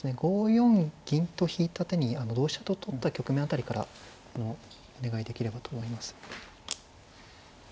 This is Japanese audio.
５四銀と引いた手に同飛車と取った局面辺りからお願いできればと思います。